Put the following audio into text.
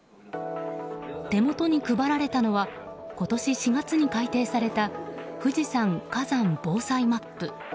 手元に配られたのは今年４月に改定された富士山火山防災マップ。